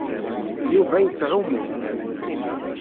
Yuba yettɛummu.